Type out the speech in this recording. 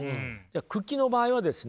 九鬼の場合はですね